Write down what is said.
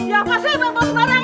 siapa sih yang bantu sekarang